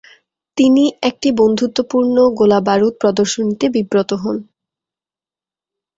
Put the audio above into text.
তিনি একটি বন্ধুত্বপূর্ণ গোলা-বারুদ প্রদর্শনীতে বিব্রত হন।